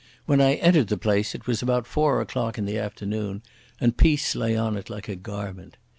When I entered the place it was about four o'clock in the afternoon, and peace lay on it like a garment.